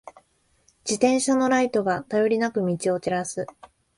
自転車のライトが、頼りなく道を照らす。